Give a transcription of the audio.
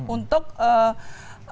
untuk menjalankan konsepsi yang sudah